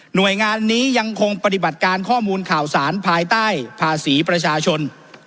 โดยงานนี้ยังคงปฏิบัติการข้อมูลข่าวสารภายใต้ภาษีประชาชน